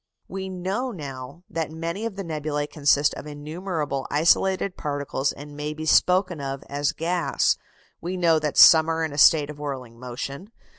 ] We know now that many of the nebulæ consist of innumerable isolated particles and may be spoken of as gas. We know that some are in a state of whirling motion.